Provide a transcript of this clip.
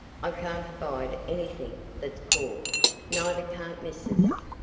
I can't abide anything that's poor; neither can't Missus."